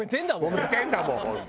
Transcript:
もめてるんだもん本当。